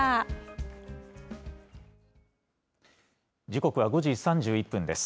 時刻は５時３１分です。